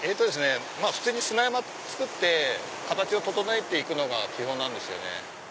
普通に砂山作って形を整えて行くのが基本なんですよね。